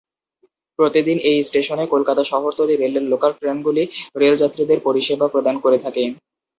প্রতিদিন এই স্টেশনে কলকাতা শহরতলি রেলের লোকাল ট্রেনগুলি রেল যাত্রীদের পরিষেবা প্রদান করে থাকে।